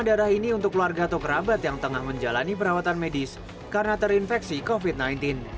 darah ini untuk keluarga atau kerabat yang tengah menjalani perawatan medis karena terinfeksi kofit